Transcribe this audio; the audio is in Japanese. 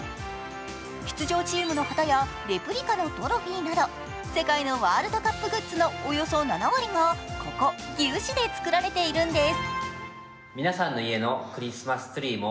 出場チームの旗やレプリカのトロフィーなど世界のワールドカップグッズのおよそ７割が、ここ、義烏市で作られているんです